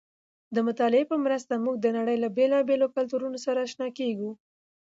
د مطالعې په مرسته موږ د نړۍ له بېلابېلو کلتورونو سره اشنا کېږو.